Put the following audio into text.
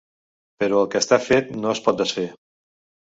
Però el que està fet no es pot desfer.